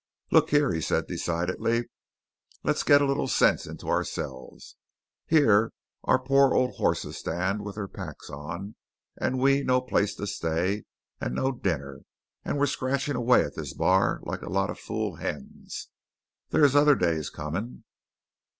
"Look here," he said decidedly; "let's get a little sense into ourselves. Here's our pore old hosses standing with their packs on, and we no place to stay, and no dinner; and we're scratchin' away at this bar like a lot of fool hens. There's other days comin'."